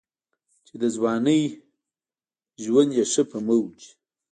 چې دَځوانۍ ژوند ئې ښۀ پۀ موج